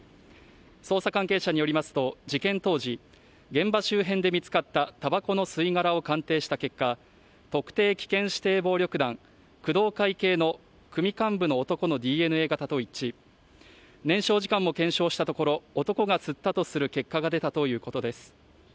捜査関係者によりますと事件当時現場周辺で見つかったたばこの吸い殻を鑑定した結果特定危険指定暴力団工藤会系の組幹部の男のＤＮＡ型と一致燃焼時間も検証したところ男が吸ったとする結果が出たということです